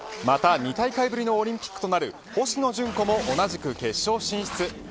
また２大会ぶりのオリンピックとなる星野純子も同じく決勝進出。